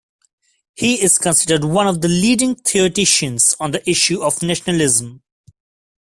He is considered one of the leading theoreticians on the issue of nationalism.